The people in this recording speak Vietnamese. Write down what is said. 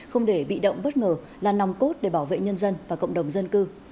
không để bị động bất ngờ là nòng cốt để bảo vệ nhân dân và cộng đồng dân cư